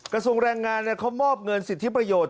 กระทรวงแรงงานเขามอบเงินสิทธิประโยชน์